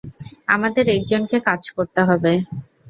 আমাদের একজনকে কাজ করতে হবে।